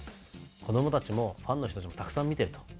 子供たちもファンの人たちもたくさん見てると。